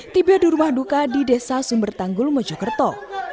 tiba di rumah duka di desa sumber tanggul mojokerto